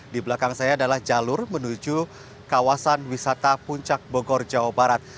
di belakang saya adalah jalur menuju kawasan wisata puncak bogor jawa barat